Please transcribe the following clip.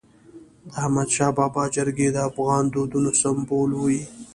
د احمدشاه بابا جرګي د افغان دودونو سمبول وي.